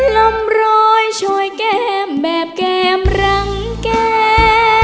ลมรอยช่วยแก้มแบบแก้มรังแก้